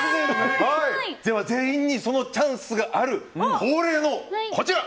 では、全員にそのチャンスがある恒例の、こちら。